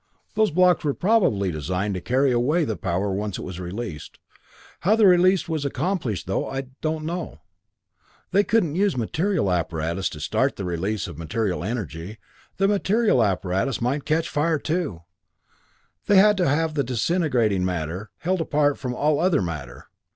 Those blocks were probably designed to carry away the power once it was released. How the release was accomplished, though, I don't know. They couldn't use material apparatus to start their release of material energy; the material of the apparatus might 'catch fire' too. They had to have the disintegrating matter held apart from all other matter.